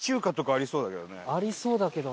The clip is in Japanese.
ありそうだけどな。